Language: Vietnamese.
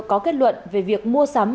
có kết luận về việc mua sắm